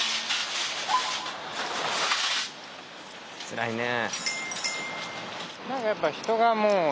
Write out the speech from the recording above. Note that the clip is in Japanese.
つらいね。